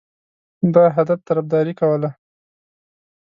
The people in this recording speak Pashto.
دغه هدف طرفداري کوله.